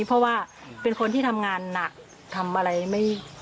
เพราะว่าเป็นคนที่ทำงานหนักทำอะไรไม่